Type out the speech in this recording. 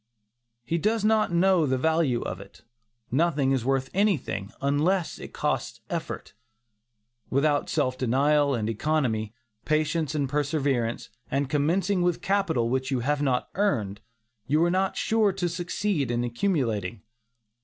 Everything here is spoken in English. He does not know the value of it; nothing is worth anything, unless it costs effort. Without self denial and economy, patience and perseverance, and commencing with capital which you have not earned, you are not sure to succeed in accumulating.